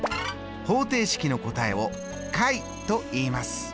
方程式の答えを解といいます。